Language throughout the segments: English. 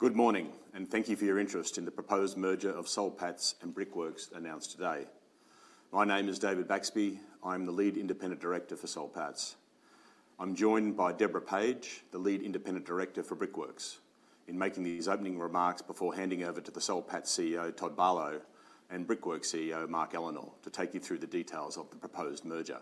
Good morning, and thank you for your interest in the proposed merger of Soul Pattinson and Brickworks announced today. My name is David Baxby. I'm the lead independent director for Soul Pattinson. I'm joined by Deborah Page, the lead independent director for Brickworks, in making these opening remarks before handing over to the Soul Pattinson CEO, Todd Barlow, and Brickworks CEO, Mark Ellenor, to take you through the details of the proposed merger.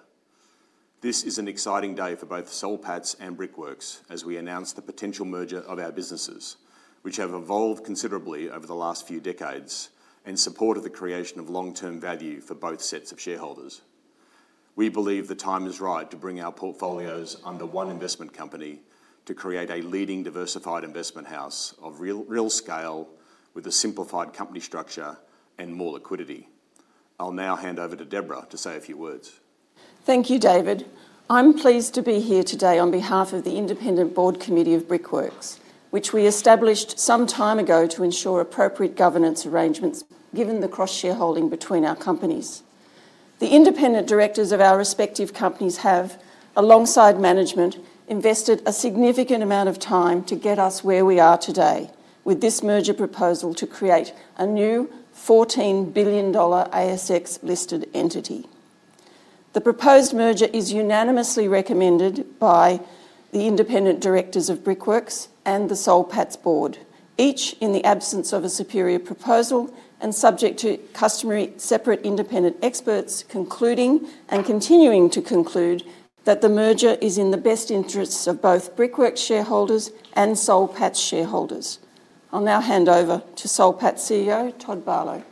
This is an exciting day for both Soul Pattinson and Brickworks as we announce the potential merger of our businesses, which have evolved considerably over the last few decades in support of the creation of long-term value for both sets of shareholders. We believe the time is right to bring our portfolios under one investment company to create a leading diversified investment house of real scale with a simplified company structure and more liquidity. I'll now hand over to Deborah to say a few words. Thank you, David. I'm pleased to be here today on behalf of the independent board committee of Brickworks, which we established some time ago to ensure appropriate governance arrangements given the cross-shareholding between our companies. The independent directors of our respective companies have, alongside management, invested a significant amount of time to get us where we are today with this merger proposal to create a new 14 billion dollar ASX-listed entity. The proposed merger is unanimously recommended by the independent directors of Brickworks and the Soul Pattinson board, each in the absence of a superior proposal and subject to customary separate independent experts concluding and continuing to conclude that the merger is in the best interests of both Brickworks shareholders and Soul Pattinson shareholders. I'll now hand over to Soul Pattinson CEO, Todd Barlow.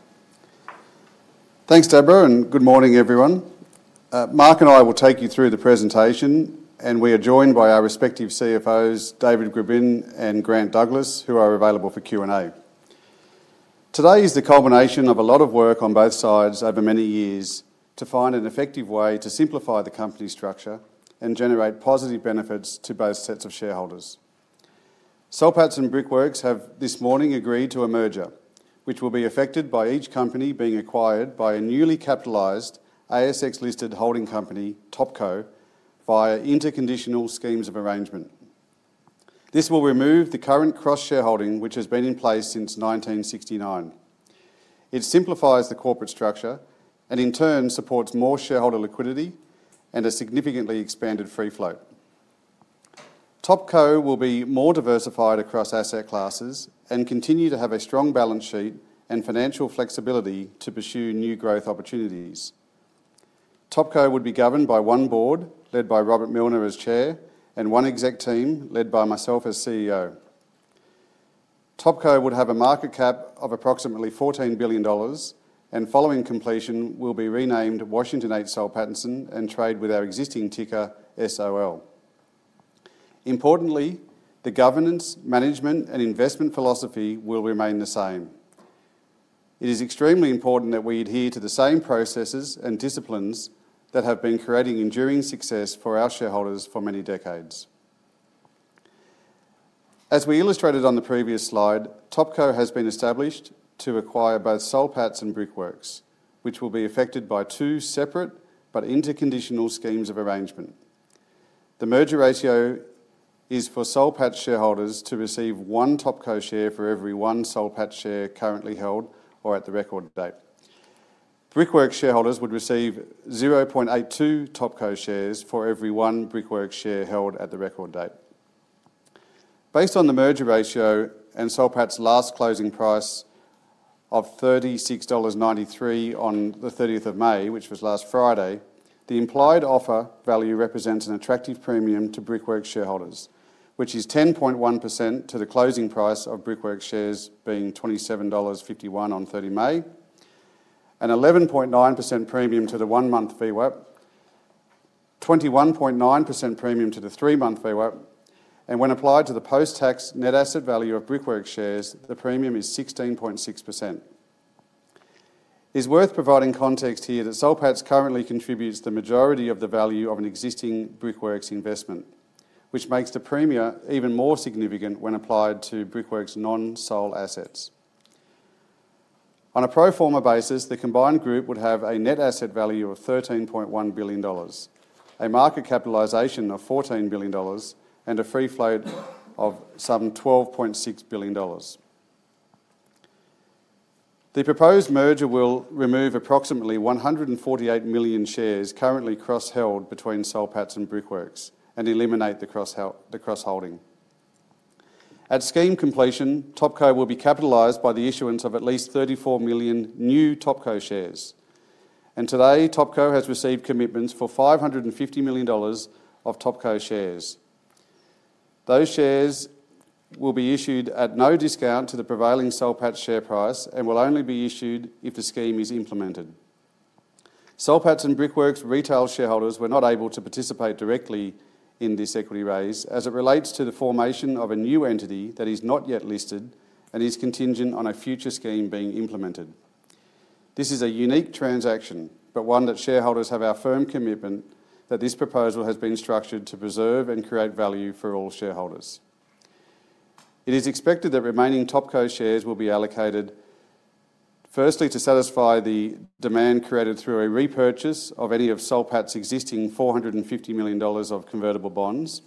Thanks, Deborah, and good morning, everyone. Marc and I will take you through the presentation, and we are joined by our respective CFOs, David Greben and Grant Douglas, who are available for Q&A. Today is the culmination of a lot of work on both sides over many years to find an effective way to simplify the company structure and generate positive benefits to both sets of shareholders. Soul Pattinson and Brickworks have this morning agreed to a merger, which will be effected by each company being acquired by a newly capitalized ASX-listed holding company, Topco, via interconditional schemes of arrangement. This will remove the current cross-shareholding, which has been in place since 1969. It simplifies the corporate structure and, in turn, supports more shareholder liquidity and a significantly expanded free float. Topco will be more diversified across asset classes and continue to have a strong balance sheet and financial flexibility to pursue new growth opportunities. Topco would be governed by one board led by Robert Milner as Chair and one exec team led by myself as CEO. Topco would have a market cap of approximately 14 billion dollars and, following completion, will be renamed Washington H. Soul Pattinson and trade with our existing ticker SOL. Importantly, the governance, management, and investment philosophy will remain the same. It is extremely important that we adhere to the same processes and disciplines that have been creating enduring success for our shareholders for many decades. As we illustrated on the previous slide, Topco has been established to acquire both Soul Pattinson and Brickworks, which will be effected by two separate but interconditional schemes of arrangement. The merger ratio is for Soul Pattinson shareholders to receive one Topco share for every one Soul Pattinson share currently held or at the record date. Brickworks shareholders would receive 0.82 Topco shares for every one Brickworks share held at the record date. Based on the merger ratio and Soul Pattinson's last closing price of 36.93 dollars on the 30th of May, which was last Friday, the implied offer value represents an attractive premium to Brickworks shareholders, which is 10.1% to the closing price of Brickworks shares being 27.51 dollars on 30 May, an 11.9% premium to the one-month VWAP, 21.9% premium to the three-month VWAP, and when applied to the post-tax net asset value of Brickworks shares, the premium is 16.6%. It's worth providing context here that Soul Pattinson currently contributes the majority of the value of an existing Brickworks investment, which makes the premia even more significant when applied to Brickworks non-Soul assets. On a pro forma basis, the combined group would have a net asset value of 13.1 billion dollars, a market capitalisation of 14 billion dollars, and a free float of some 12.6 billion dollars. The proposed merger will remove approximately 148 million shares currently cross-held between Soul Pattinson and Brickworks and eliminate the cross-holding. At scheme completion, Topco will be capitalised by the issuance of at least 34 million new Topco shares, and today Topco has received commitments for 550 million dollars of Topco shares. Those shares will be issued at no discount to the prevailing Soul Pattinson share price and will only be issued if the scheme is implemented. Soul Pattinson and Brickworks retail shareholders were not able to participate directly in this equity raise as it relates to the formation of a new entity that is not yet listed and is contingent on a future scheme being implemented. This is a unique transaction, but one that shareholders have our firm commitment that this proposal has been structured to preserve and create value for all shareholders. It is expected that remaining Topco shares will be allocated, firstly, to satisfy the demand created through a repurchase of any of Soul Pattinson's existing 450 million dollars of convertible bonds,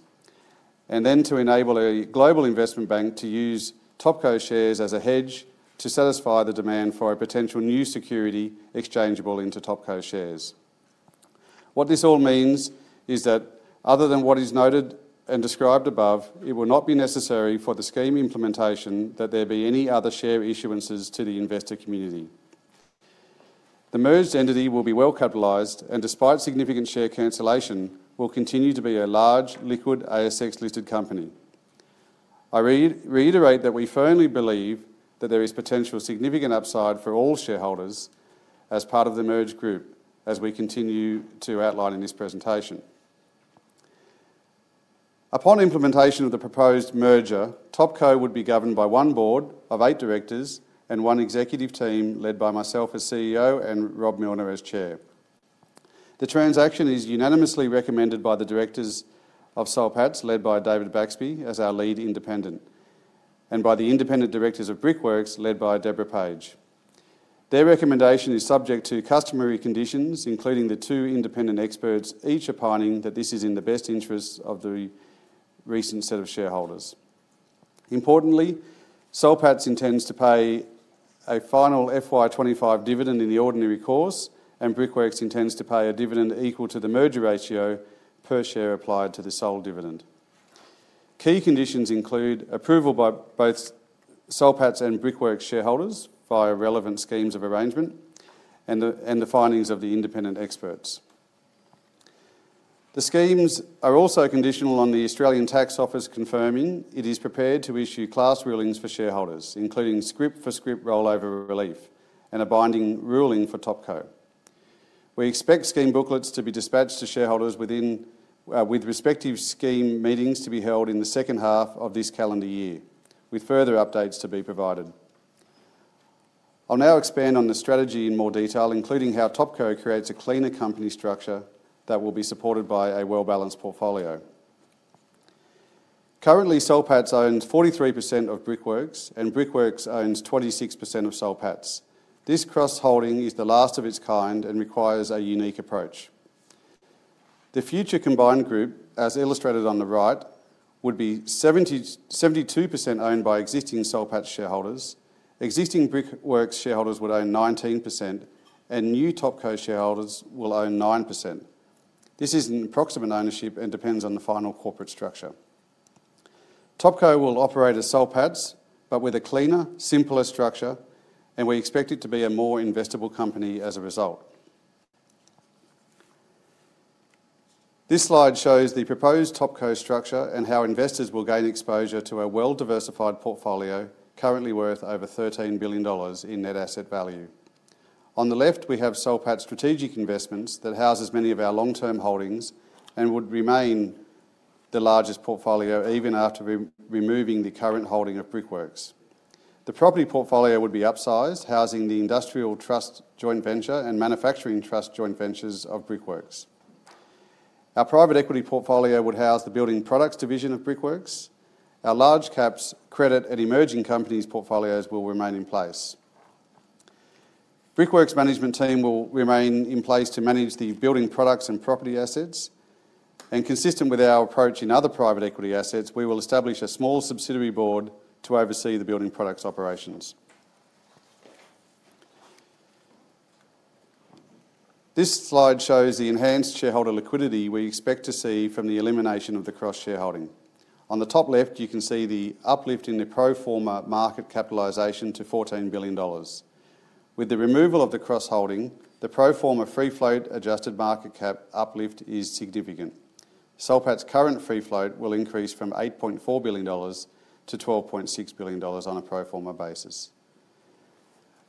and then to enable a global investment bank to use Topco shares as a hedge to satisfy the demand for a potential new security exchangeable into Topco shares. What this all means is that, other than what is noted and described above, it will not be necessary for the scheme implementation that there be any other share issuances to the investor community. The merged entity will be well capitalized and, despite significant share cancellation, will continue to be a large, liquid ASX-listed company. I reiterate that we firmly believe that there is potential significant upside for all shareholders as part of the merged group, as we continue to outline in this presentation. Upon implementation of the proposed merger, Topco would be governed by one board of eight directors and one executive team led by myself as CEO and Rob Milner as Chair. The transaction is unanimously recommended by the directors of Soul Pattinson led by David Baxby as our Lead Independent and by the independent directors of Brickworks led by Deborah Page. Their recommendation is subject to customary conditions, including the two independent experts each opining that this is in the best interests of the recent set of shareholders. Importantly, Soul Pattinson intends to pay a final FY2025 dividend in the ordinary course, and Brickworks intends to pay a dividend equal to the merger ratio per share applied to the Soul dividend. Key conditions include approval by both Soul Pattinson and Brickworks shareholders via relevant schemes of arrangement and the findings of the independent experts. The schemes are also conditional on the Australian Taxation Office confirming it is prepared to issue class rulings for shareholders, including script-for-script rollover relief and a binding ruling for Topco. We expect scheme booklets to be dispatched to shareholders with respective scheme meetings to be held in the second half of this calendar year, with further updates to be provided. I'll now expand on the strategy in more detail, including how Topco creates a cleaner company structure that will be supported by a well-balanced portfolio. Currently, Soul Pattinson owns 43% of Brickworks, and Brickworks owns 26% of Soul Pattinson. This cross-holding is the last of its kind and requires a unique approach. The future combined group, as illustrated on the right, would be 72% owned by existing Soul Pattinson shareholders. Existing Brickworks shareholders would own 19%, and new Topco shareholders will own 9%. This is an approximate ownership and depends on the final corporate structure. Topco will operate as Soul Pattinson, but with a cleaner, simpler structure, and we expect it to be a more investable company as a result. This slide shows the proposed Topco structure and how investors will gain exposure to a well-diversified portfolio currently worth over 13 billion dollars in net asset value. On the left, we have Soul Pattinson's strategic investments that house many of our long-term holdings and would remain the largest portfolio even after removing the current holding of Brickworks. The property portfolio would be upsized, housing the Industrial Trust Joint Venture and Manufacturing Trust Joint Ventures of Brickworks. Our private equity portfolio would house the Building Products division of Brickworks. Our large-caps credit and emerging companies portfolios will remain in place. Brickworks' management team will remain in place to manage the building products and property assets, and consistent with our approach in other private equity assets, we will establish a small subsidiary board to oversee the building products operations. This slide shows the enhanced shareholder liquidity we expect to see from the elimination of the cross-shareholding. On the top left, you can see the uplift in the pro forma market capitalisation to 14 billion dollars. With the removal of the cross-holding, the pro forma free float adjusted market cap uplift is significant. Soul Pattinson's current free float will increase from 8.4 billion-12.6 billion dollars on a pro forma basis.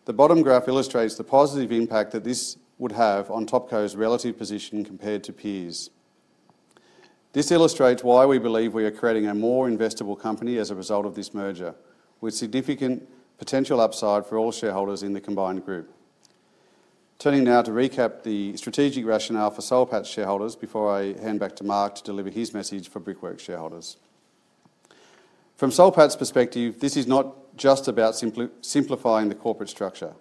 The bottom graph illustrates the positive impact that this would have on Topco's relative position compared to peers. This illustrates why we believe we are creating a more investable company as a result of this merger, with significant potential upside for all shareholders in the combined group. Turning now to recap the strategic rationale for Soul Pattinson shareholders before I hand back to Marc to deliver his message for Brickworks shareholders. From Soul Pattinson's perspective, this is not just about simplifying the corporate structure.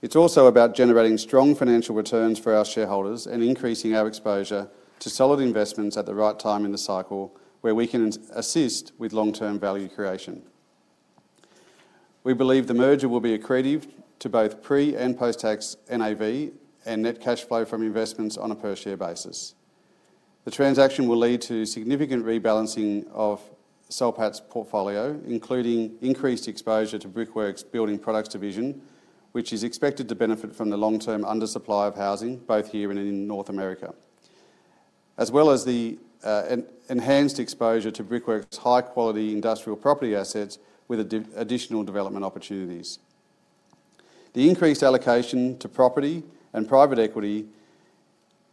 It's also about generating strong financial returns for our shareholders and increasing our exposure to solid investments at the right time in the cycle where we can assist with long-term value creation. We believe the merger will be accretive to both pre- and post-tax NAV and net cash flow from investments on a per-share basis. The transaction will lead to significant rebalancing of Soul Pattinson's portfolio, including increased exposure to Brickworks' building products division, which is expected to benefit from the long-term undersupply of housing both here and in North America, as well as the enhanced exposure to Brickworks' high-quality industrial property assets with additional development opportunities. The increased allocation to property and private equity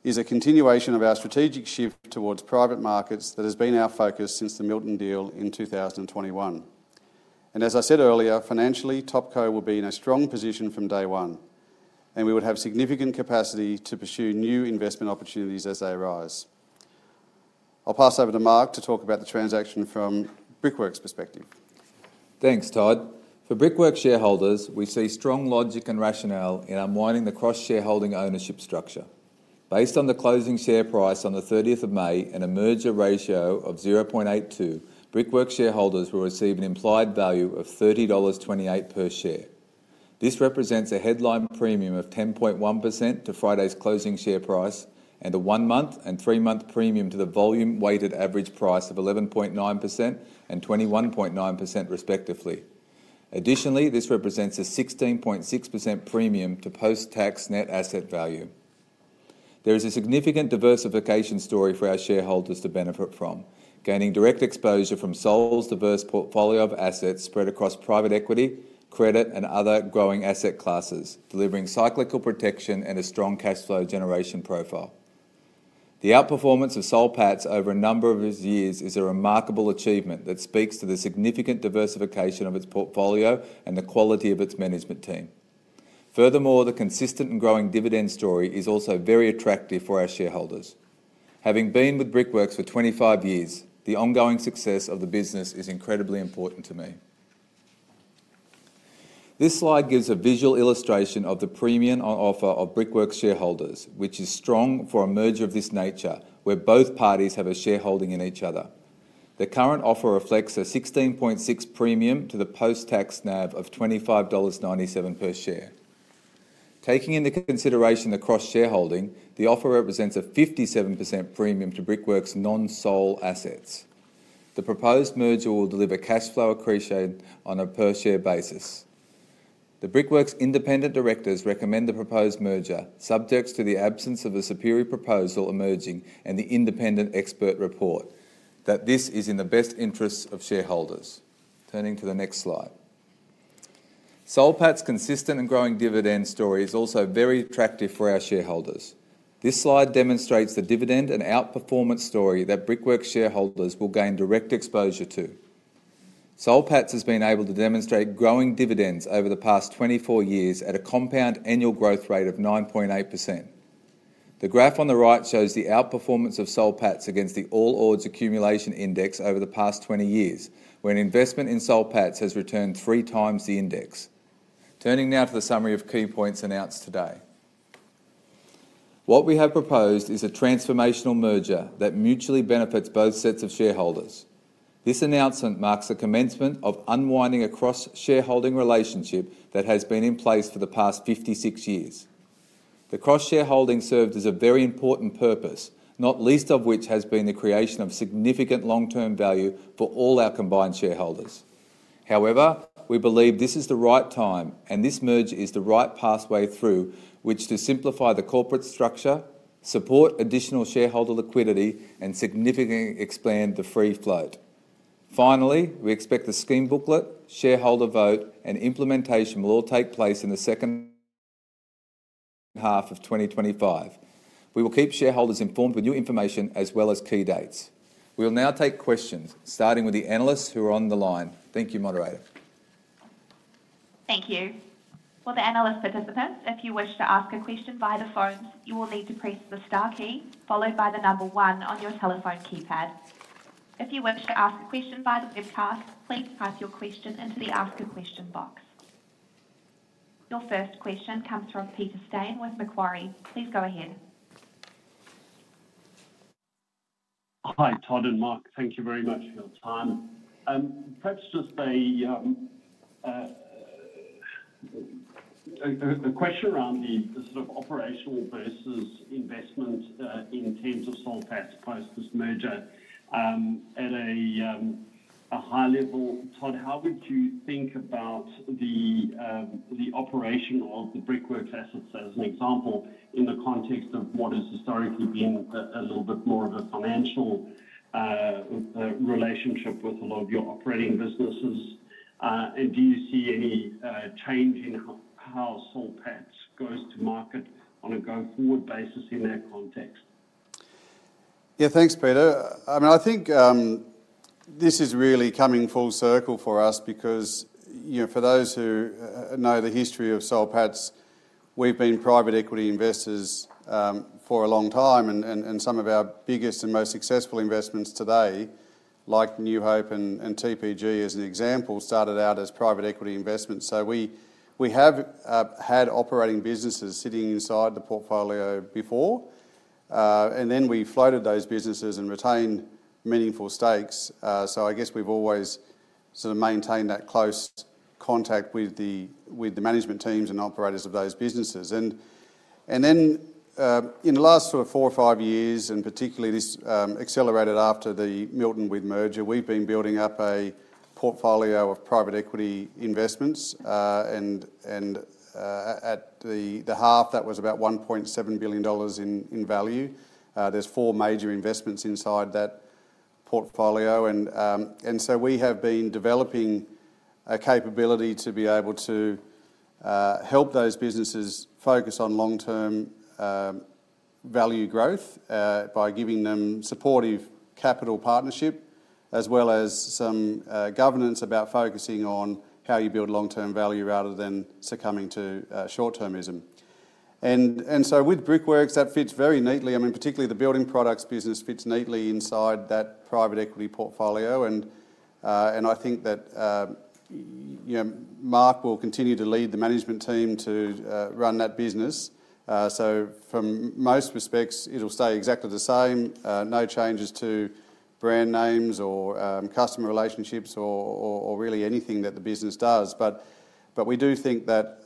is a continuation of our strategic shift towards private markets that has been our focus since the Milton deal in 2021. As I said earlier, financially, Topco will be in a strong position from day one, and we would have significant capacity to pursue new investment opportunities as they arise. I'll pass over to Mark to talk about the transaction from Brickworks' perspective. Thanks, Todd. For Brickworks shareholders, we see strong logic and rationale in unwinding the cross-shareholding ownership structure. Based on the closing share price on the 30th of May and a merger ratio of 0.82, Brickworks shareholders will receive an implied value of 30.28 dollars per share. This represents a headline premium of 10.1% to Friday's closing share price and a one-month and three-month premium to the volume-weighted average price of 11.9% and 21.9%, respectively. Additionally, this represents a 16.6% premium to post-tax net asset value. There is a significant diversification story for our shareholders to benefit from, gaining direct exposure from Soul's diverse portfolio of assets spread across private equity, credit, and other growing asset classes, delivering cyclical protection and a strong cash flow generation profile. The outperformance of Soul Pattinson over a number of years is a remarkable achievement that speaks to the significant diversification of its portfolio and the quality of its management team. Furthermore, the consistent and growing dividend story is also very attractive for our shareholders. Having been with Brickworks for 25 years, the ongoing success of the business is incredibly important to me. This slide gives a visual illustration of the premium offer for Brickworks shareholders, which is strong for a merger of this nature where both parties have a shareholding in each other. The current offer reflects a 16.6% premium to the post-tax NAV of 25.97 dollars per share. Taking into consideration the cross-shareholding, the offer represents a 57% premium to Brickworks' non-Soul assets. The proposed merger will deliver cash flow accretion on a per-share basis. The Brickworks independent directors recommend the proposed merger, subject to the absence of a superior proposal emerging and the independent expert report, that this is in the best interests of shareholders. Turning to the next slide. Soul Pattinson's consistent and growing dividend story is also very attractive for our shareholders. This slide demonstrates the dividend and outperformance story that Brickworks shareholders will gain direct exposure to. Soul Pattinson has been able to demonstrate growing dividends over the past 24 years at a compound annual growth rate of 9.8%. The graph on the right shows the outperformance of Soul Pattinson against the All Ords Accumulation Index over the past 20 years, where investment in Soul Pattinson has returned three times the index. Turning now to the summary of key points announced today. What we have proposed is a transformational merger that mutually benefits both sets of shareholders. This announcement marks the commencement of unwinding a cross-shareholding relationship that has been in place for the past 56 years. The cross-shareholding served as a very important purpose, not least of which has been the creation of significant long-term value for all our combined shareholders. However, we believe this is the right time, and this merger is the right pathway through which to simplify the corporate structure, support additional shareholder liquidity, and significantly expand the free float. Finally, we expect the scheme booklet, shareholder vote, and implementation will all take place in the second half of 2025. We will keep shareholders informed with new information as well as key dates. We will now take questions, starting with the analysts who are on the line. Thank you, Moderator. Thank you. For the analyst participants, if you wish to ask a question via the phone, you will need to press the star key followed by the number one on your telephone keypad. If you wish to ask a question via the webcast, please type your question into the Ask a Question box. Your first question comes from Peter Steyn with Macquarie. Please go ahead. Hi, Todd and Mark. Thank you very much for your time. Perhaps just a question around the sort of operational versus investment in terms of Soul Pattinson's merger at a high level. Todd, how would you think about the operation of the Brickworks assets as an example in the context of what has historically been a little bit more of a financial relationship with a lot of your operating businesses? Do you see any change in how Soul Pattinson goes to market on a go-forward basis in that context? Yeah, thanks, Peter. I mean, I think this is really coming full circle for us because for those who know the history of Soul Pattinson, we've been private equity investors for a long time. And some of our biggest and most successful investments today, like New Hope and TPG as an example, started out as private equity investments. We have had operating businesses sitting inside the portfolio before, and then we floated those businesses and retained meaningful stakes. I guess we've always sort of maintained that close contact with the management teams and operators of those businesses. In the last four or five years, and particularly this accelerated after the Milton-Whitt merger, we've been building up a portfolio of private equity investments. At the half, that was about 1.7 billion dollars in value. There are four major investments inside that portfolio. We have been developing a capability to be able to help those businesses focus on long-term value growth by giving them supportive capital partnership, as well as some governance about focusing on how you build long-term value rather than succumbing to short-termism. With Brickworks, that fits very neatly. I mean, particularly the building products business fits neatly inside that private equity portfolio. I think that Mark will continue to lead the management team to run that business. From most respects, it will stay exactly the same. No changes to brand names or customer relationships or really anything that the business does. We do think that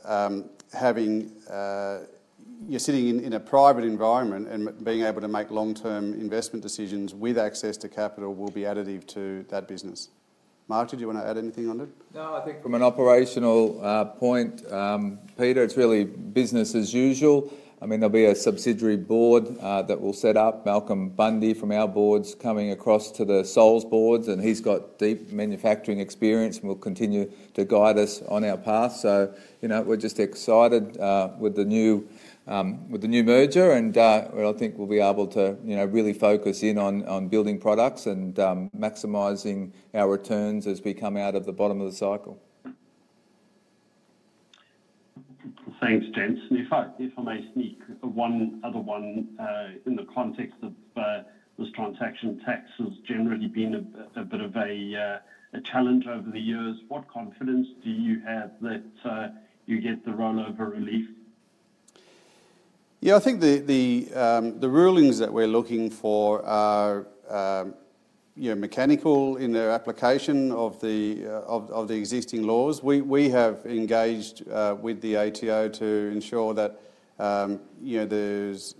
sitting in a private environment and being able to make long-term investment decisions with access to capital will be additive to that business. Mark, did you want to add anything on it? No, I think from an operational point, Peter, it's really business as usual. I mean, there'll be a subsidiary board that we'll set up. Malcolm Bundy from our board's coming across to the Soul's boards, and he's got deep manufacturing experience and will continue to guide us on our path. So we're just excited with the new merger, and I think we'll be able to really focus in on building products and maximising our returns as we come out of the bottom of the cycle. Thanks, James. If I may sneak one other one in the context of this transaction, tax has generally been a bit of a challenge over the years. What confidence do you have that you get the rollover relief? Yeah, I think the rulings that we're looking for are mechanical in their application of the existing laws. We have engaged with the ATO to ensure that there's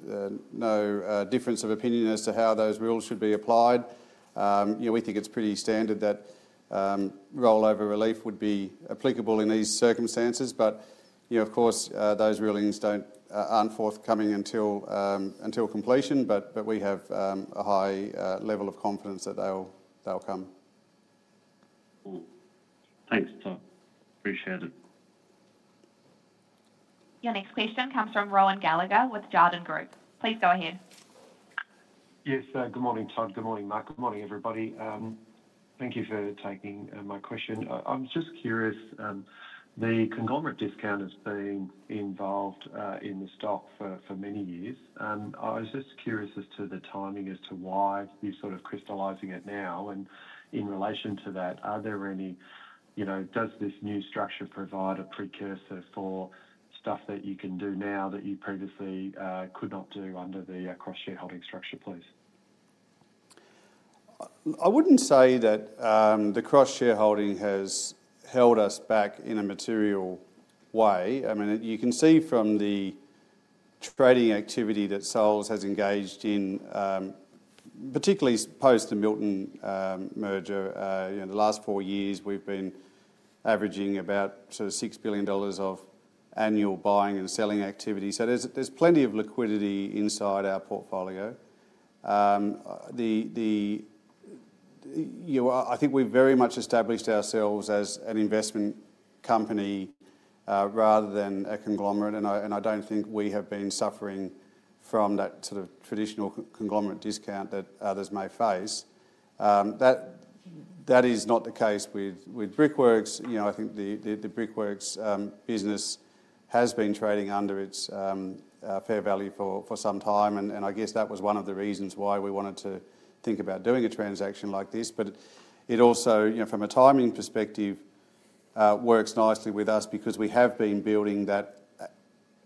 no difference of opinion as to how those rules should be applied. We think it's pretty standard that rollover relief would be applicable in these circumstances. Of course, those rulings aren't forthcoming until completion, but we have a high level of confidence that they'll come. Thanks, Todd. Appreciate it. Your next question comes from Rohan Gallagher with Jarden Group. Please go ahead. Yes, good morning, Todd. Good morning, Mark. Good morning, everybody. Thank you for taking my question. I'm just curious, the conglomerate discount has been involved in the stock for many years. I was just curious as to the timing as to why you're sort of crystallizing it now. In relation to that, does this new structure provide a precursor for stuff that you can do now that you previously could not do under the cross-shareholding structure, please? I wouldn't say that the cross-shareholding has held us back in a material way. I mean, you can see from the trading activity that Soul's has engaged in, particularly post the Milton merger, in the last four years, we've been averaging about 6 billion dollars of annual buying and selling activity. There is plenty of liquidity inside our portfolio. I think we've very much established ourselves as an investment company rather than a conglomerate. I don't think we have been suffering from that sort of traditional conglomerate discount that others may face. That is not the case with Brickworks. I think the Brickworks business has been trading under its fair value for some time. I guess that was one of the reasons why we wanted to think about doing a transaction like this. It also, from a timing perspective, works nicely with us because we have been building that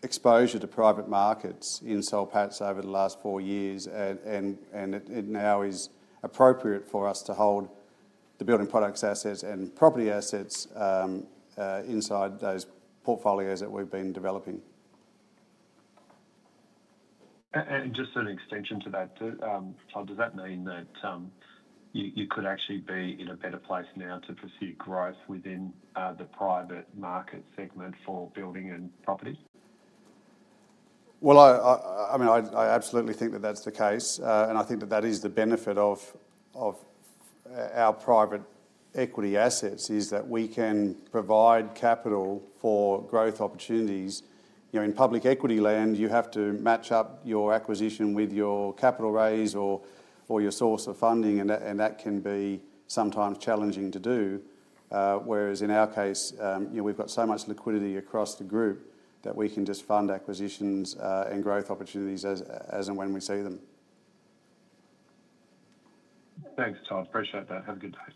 exposure to private markets in Soul Pattinson over the last four years. It now is appropriate for us to hold the building products assets and property assets inside those portfolios that we have been developing. Just an extension to that, Todd, does that mean that you could actually be in a better place now to pursue growth within the private market segment for building and property? I mean, I absolutely think that that's the case. I think that that is the benefit of our private equity assets is that we can provide capital for growth opportunities. In public equity land, you have to match up your acquisition with your capital raise or your source of funding. That can be sometimes challenging to do. Whereas in our case, we've got so much liquidity across the group that we can just fund acquisitions and growth opportunities as and when we see them. Thanks, Todd. Appreciate that. Have a good day.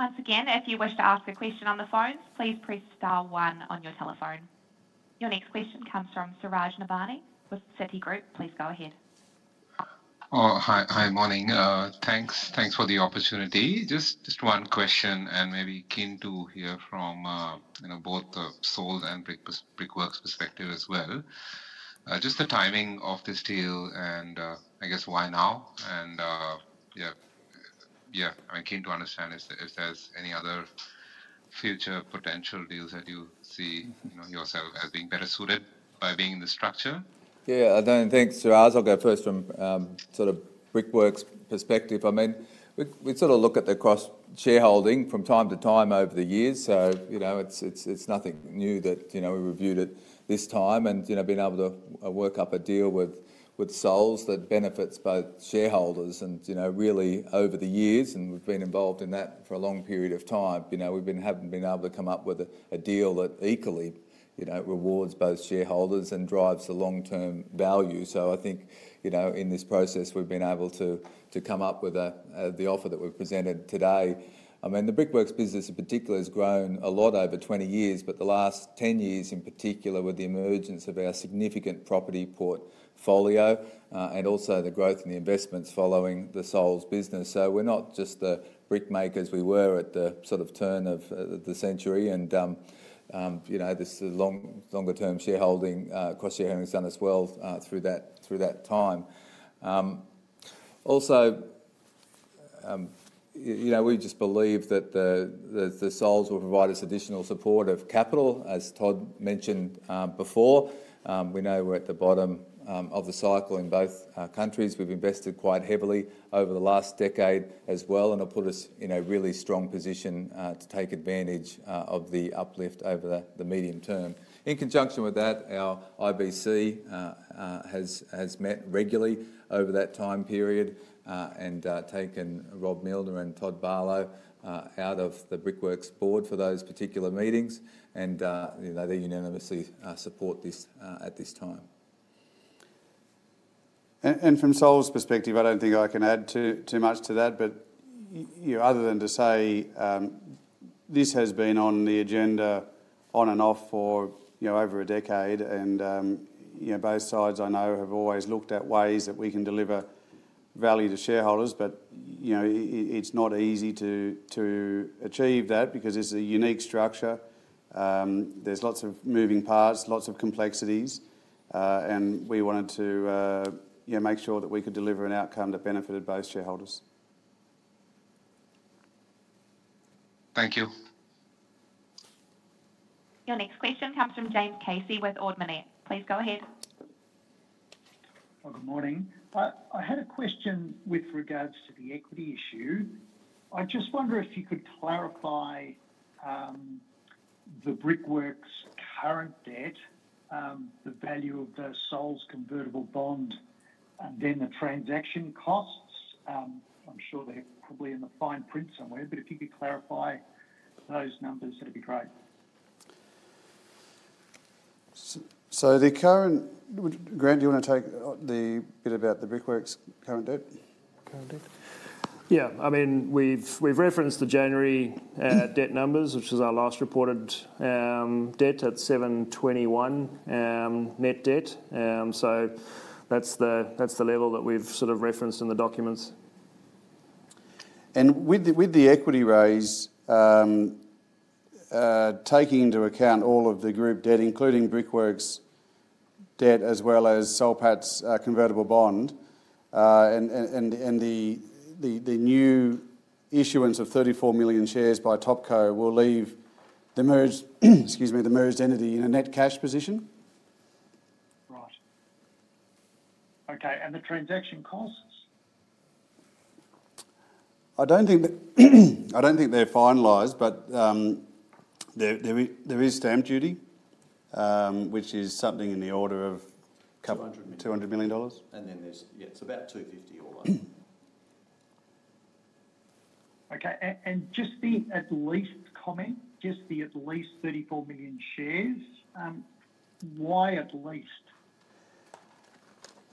Once again, if you wish to ask a question on the phone, please press star one on your telephone. Your next question comes from Suraj Nebhani with Citigroup. Please go ahead. Hi, morning. Thanks for the opportunity. Just one question and maybe keen to hear from both the Soul and Brickworks perspective as well. Just the timing of this deal and I guess why now? Yeah, I'm keen to understand if there's any other future potential deals that you see yourself as being better suited by being in the structure. Yeah, thanks. I'll talk first from sort of Brickworks perspective. I mean, we sort of look at the cross-shareholding from time to time over the years. It's nothing new that we reviewed it this time. Being able to work up a deal with Soul's that benefits both shareholders and really over the years, we've been involved in that for a long period of time. We haven't been able to come up with a deal that equally rewards both shareholders and drives the long-term value. I think in this process, we've been able to come up with the offer that we've presented today. I mean, the Brickworks business in particular has grown a lot over 20 years, but the last 10 years in particular with the emergence of our significant property portfolio and also the growth in the investments following the Soul's business. We're not just the brickmakers we were at the sort of turn of the century. This longer-term shareholding, cross-shareholding has done us well through that time. Also, we just believe that the Soul's will provide us additional support of capital, as Todd mentioned before. We know we're at the bottom of the cycle in both countries. We've invested quite heavily over the last decade as well, and it'll put us in a really strong position to take advantage of the uplift over the medium term. In conjunction with that, our IBC has met regularly over that time period and taken Robert Milner and Todd Barlow out of the Brickworks board for those particular meetings. They unanimously support this at this time. From Soul's perspective, I do not think I can add too much to that. Other than to say this has been on the agenda on and off for over a decade. Both sides, I know, have always looked at ways that we can deliver value to shareholders. It is not easy to achieve that because it is a unique structure. There are lots of moving parts, lots of complexities. We wanted to make sure that we could deliver an outcome that benefited both shareholders. Thank you. Your next question comes from James Casey with Ord Minnett. Please go ahead. Good morning. I had a question with regards to the equity issue. I just wonder if you could clarify the Brickworks current debt, the value of the Soul's convertible bond, and then the transaction costs. I'm sure they're probably in the fine print somewhere. If you could clarify those numbers, that'd be great. The current—Grant, do you want to take the bit about the Brickworks current debt? Current debt? Yeah. I mean, we've referenced the January debt numbers, which was our last reported debt at 721 million net debt. That's the level that we've sort of referenced in the documents. With the equity raise, taking into account all of the group debt, including Brickworks debt as well as Soul Pattinson's convertible bond, and the new issuance of 34 million shares by Topco will leave the merged entity in a net cash position. Right. Okay. And the transaction costs? I don't think they're finalized, but there is stamp duty, which is something in the order of 200 million. Yeah, it's about 250 all over. Okay. Just the at least comment, just the at least 34 million shares, why at least?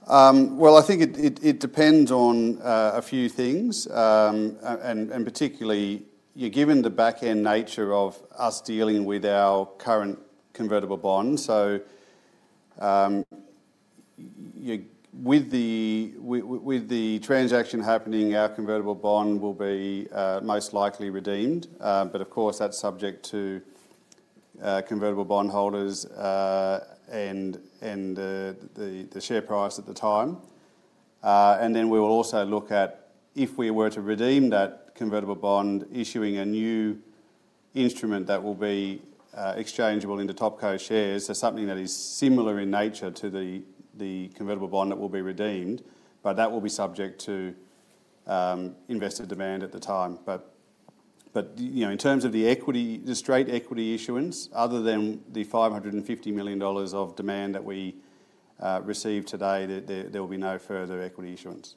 I think it depends on a few things. Particularly, given the back-end nature of us dealing with our current convertible bond. With the transaction happening, our convertible bond will be most likely redeemed. Of course, that is subject to convertible bond holders and the share price at the time. We will also look at if we were to redeem that convertible bond, issuing a new instrument that will be exchangeable into Topco shares. Something that is similar in nature to the convertible bond that will be redeemed. That will be subject to investor demand at the time. In terms of the straight equity issuance, other than the 550 million dollars of demand that we received today, there will be no further equity issuance.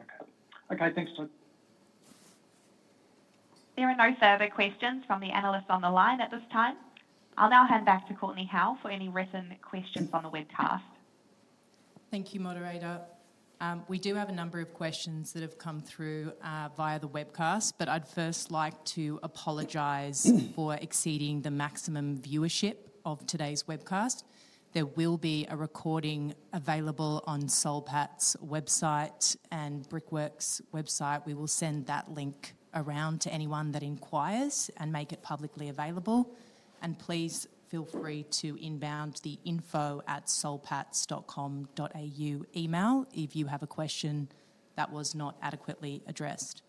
Okay. Okay. Thanks, Todd. There are no further questions from the analysts on the line at this time. I'll now hand back to Courtney Howe for any written questions on the webcast. Thank you, moderator. We do have a number of questions that have come through via the webcast, but I'd first like to apologize for exceeding the maximum viewership of today's webcast. There will be a recording available on Soul Pattinson's website and Brickworks' website. We will send that link around to anyone that inquires and make it publicly available. Please feel free to inbound the info@soulpattinson.com.au email if you have a question that was not adequately addressed.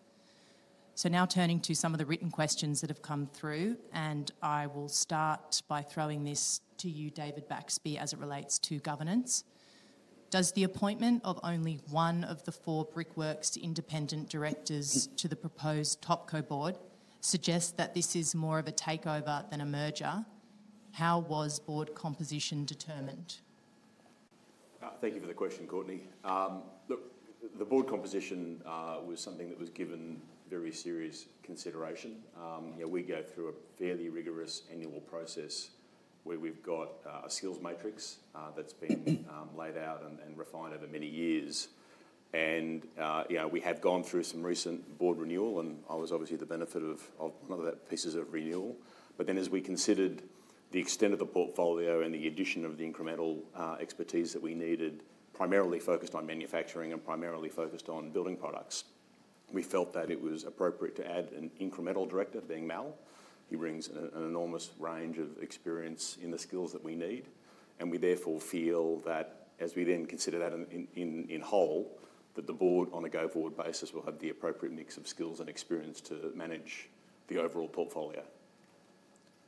Now turning to some of the written questions that have come through, I will start by throwing this to you, David Baxby, as it relates to governance. Does the appointment of only one of the four Brickworks independent directors to the proposed Topco board suggest that this is more of a takeover than a merger? How was board composition determined? Thank you for the question, Courtney. Look, the board composition was something that was given very serious consideration. We go through a fairly rigorous annual process where we've got a skills matrix that's been laid out and refined over many years. We have gone through some recent board renewal. I was obviously the benefit of one of the pieces of renewal. As we considered the extent of the portfolio and the addition of the incremental expertise that we needed, primarily focused on manufacturing and primarily focused on building products, we felt that it was appropriate to add an incremental director, being Mal. He brings an enormous range of experience in the skills that we need. We therefore feel that as we then consider that in whole, that the board on a go-forward basis will have the appropriate mix of skills and experience to manage the overall portfolio.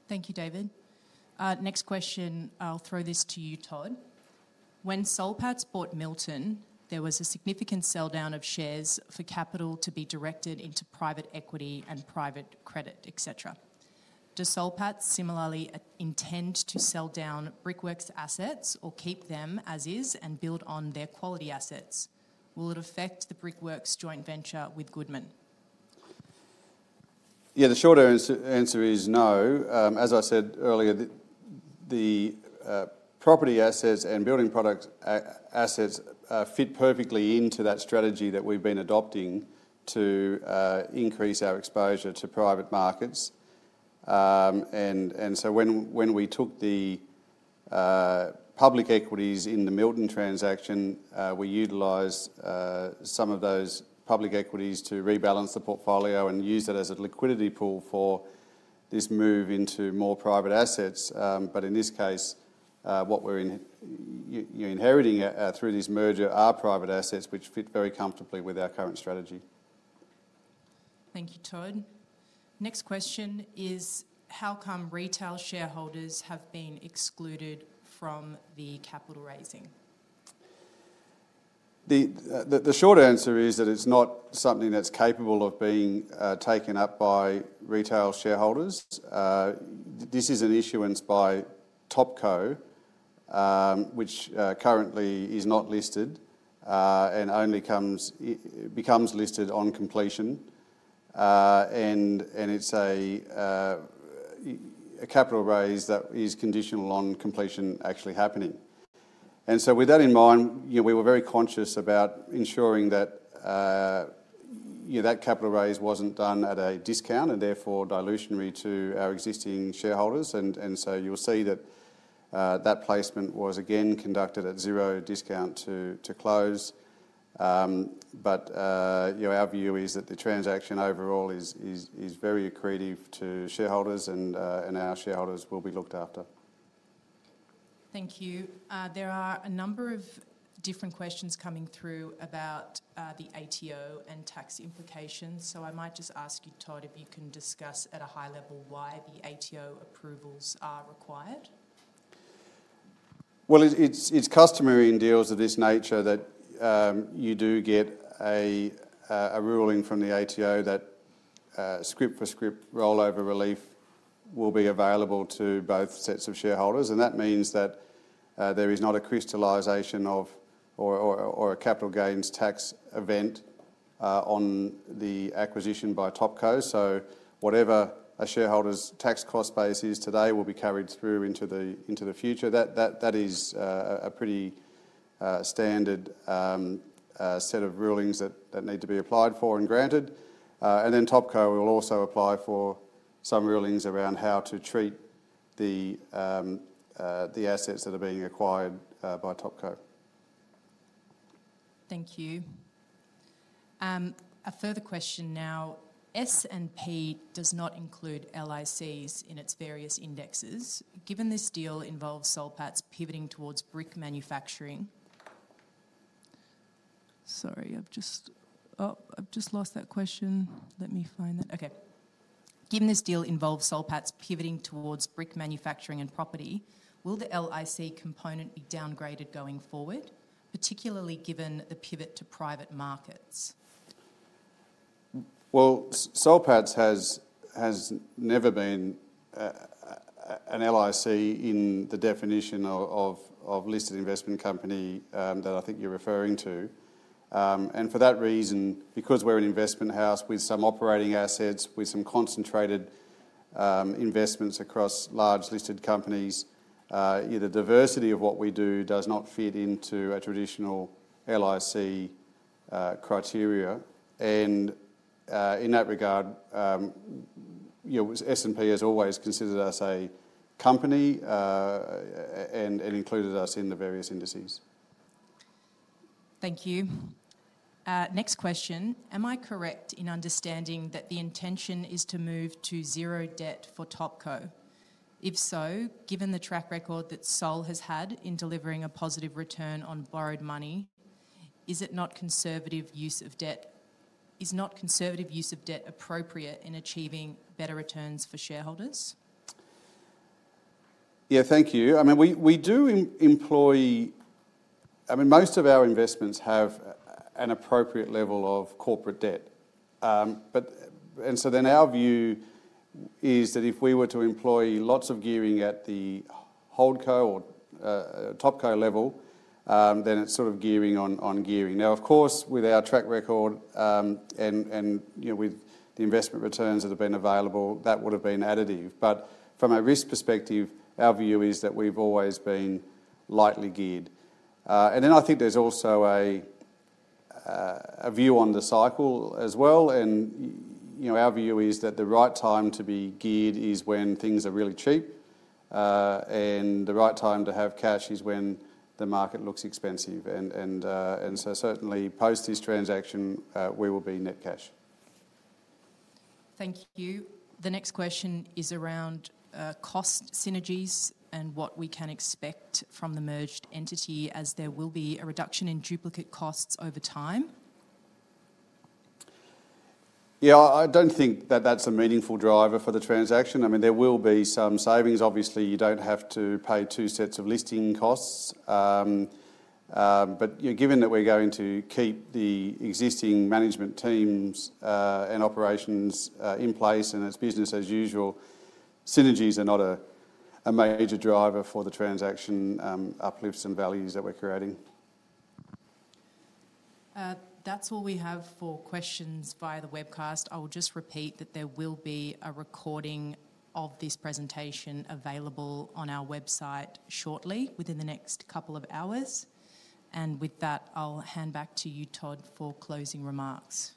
Thank you, David. Next question, I'll throw this to you, Todd. When Soul Pattinson bought Milton, there was a significant sell-down of shares for capital to be directed into private equity and private credit, etc. Does Soul Pattinson similarly intend to sell down Brickworks' assets or keep them as is and build on their quality assets? Will it affect the Brickworks joint venture with Goodman? Yeah, the short answer is no. As I said earlier, the property assets and building product assets fit perfectly into that strategy that we've been adopting to increase our exposure to private markets. When we took the public equities in the Milton transaction, we utilized some of those public equities to rebalance the portfolio and use that as a liquidity pool for this move into more private assets. In this case, what we're inheriting through this merger are private assets, which fit very comfortably with our current strategy. Thank you, Todd. Next question is, how come retail shareholders have been excluded from the capital raising? The short answer is that it's not something that's capable of being taken up by retail shareholders. This is an issuance by Topco, which currently is not listed and only becomes listed on completion. It is a capital raise that is conditional on completion actually happening. With that in mind, we were very conscious about ensuring that that capital raise wasn't done at a discount and therefore dilutionary to our existing shareholders. You'll see that that placement was again conducted at zero discount to close. Our view is that the transaction overall is very accretive to shareholders, and our shareholders will be looked after. Thank you. There are a number of different questions coming through about the ATO and tax implications. I might just ask you, Todd, if you can discuss at a high level why the ATO approvals are required. It is customary in deals of this nature that you do get a ruling from the ATO that script for script rollover relief will be available to both sets of shareholders. That means that there is not a crystallization of or a capital gains tax event on the acquisition by Topco. Whatever a shareholder's tax cost base is today will be carried through into the future. That is a pretty standard set of rulings that need to be applied for and granted. Topco will also apply for some rulings around how to treat the assets that are being acquired by Topco. Thank you. A further question now. S&P does not include LICs in its various indexes. Given this deal involves Soul Pattinson pivoting towards brick manufacturing. Sorry, I've just lost that question. Let me find that. Okay. Given this deal involves Soul Pattinson pivoting towards brick manufacturing and property, will the LIC component be downgraded going forward, particularly given the pivot to private markets? Soul Pattinson has never been an LIC in the definition of listed investment company that I think you're referring to. For that reason, because we're an investment house with some operating assets, with some concentrated investments across large listed companies, the diversity of what we do does not fit into a traditional LIC criteria. In that regard, S&P has always considered us a company and included us in the various indices. Thank you. Next question. Am I correct in understanding that the intention is to move to zero debt for Topco? If so, given the track record that Soul has had in delivering a positive return on borrowed money, is it not conservative use of debt? Is not conservative use of debt appropriate in achieving better returns for shareholders? Yeah, thank you. I mean, we do employ, I mean, most of our investments have an appropriate level of corporate debt. Our view is that if we were to employ lots of gearing at the Holdco or Topco level, then it is sort of gearing on gearing. Now, of course, with our track record and with the investment returns that have been available, that would have been additive. From a risk perspective, our view is that we have always been lightly geared. I think there is also a view on the cycle as well. Our view is that the right time to be geared is when things are really cheap, and the right time to have cash is when the market looks expensive. Certainly, post this transaction, we will be net cash. Thank you. The next question is around cost synergies and what we can expect from the merged entity as there will be a reduction in duplicate costs over time. Yeah, I don't think that that's a meaningful driver for the transaction. I mean, there will be some savings. Obviously, you don't have to pay two sets of listing costs. Given that we're going to keep the existing management teams and operations in place and it's business as usual, synergies are not a major driver for the transaction uplifts and values that we're creating. That's all we have for questions via the webcast. I will just repeat that there will be a recording of this presentation available on our website shortly within the next couple of hours. With that, I'll hand back to you, Todd, for closing remarks.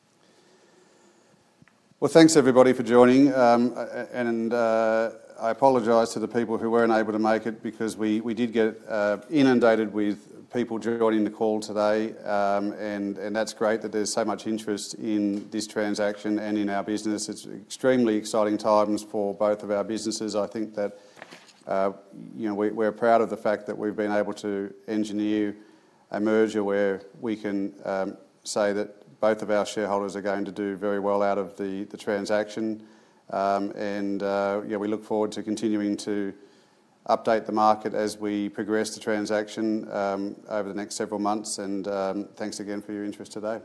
Thank you everybody for joining. I apologize to the people who were not able to make it because we did get inundated with people joining the call today. That is great that there is so much interest in this transaction and in our business. It is extremely exciting times for both of our businesses. I think that we are proud of the fact that we have been able to engineer a merger where we can say that both of our shareholders are going to do very well out of the transaction. We look forward to continuing to update the market as we progress the transaction over the next several months. Thank you again for your interest today.